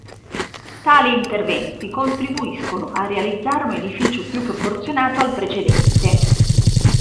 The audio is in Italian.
Tali interventi contribuiscono a realizzare un edificio più proporzionato al precedente.